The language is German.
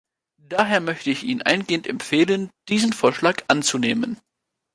Daher möchte ich Ihnen eingehend empfehlen, diesen Vorschlag anzunehmen.